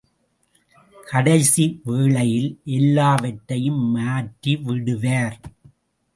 கடைசி வேளையில் எல்லாம்வற்றையும் மாற்றி விடுவார்.